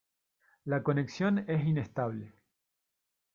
La conexión es inestable